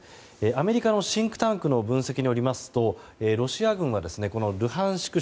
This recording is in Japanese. アメリカのシンクタンクの分析によりますとロシア軍はルハンシク